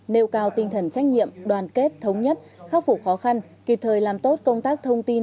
nêu cao tinh thần trách nhiệm đoàn kết thống nhất khắc phục khó khăn kịp thời làm tốt công tác thông tin